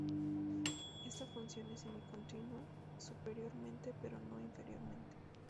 Ésta función es semi-continua superiormente pero no inferiormente.